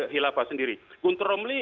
hilafah sendiri guntur romli